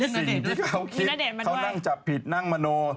สิ่งที่เขาคิดเขานั่งจับผิดนั่งมโน